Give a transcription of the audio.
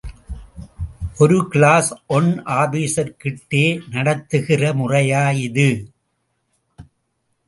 ஒரு class one ஆபீசர்கிட்டே நடந்துக்கிற முறையா இது?